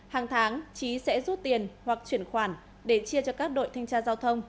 hàng tháng trí sẽ rút tiền hoặc chuyển khoản để chia cho các đội thanh tra giao thông